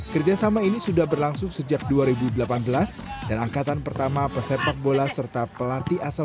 kerjasama ini sudah berlangsung sejak dua ribu delapan belas dan angkatan pertama pesepak bola serta pelatih asal